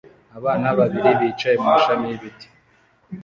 Abana babiri bicaye mumashami y'ibiti